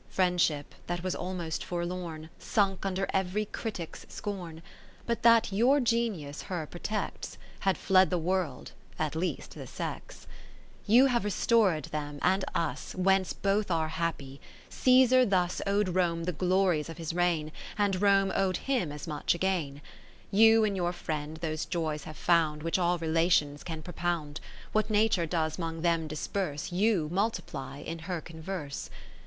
II Friendship that was almost forlorn, Sunk under every critic's scorn ; But that your Genius her protects. Had fled the World, at least the sex. Ill You have restored them and us, "Whence both are happy ; Caesar thus 10 Ow'd Rome the glories of his reign, And Rome ow'd him as much again. IV You in your friend those joys have found Which all relations can propound; What Nature does 'mong them disperse, You multiply in her converse.